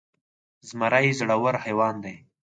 زمری زړور حيوان دی.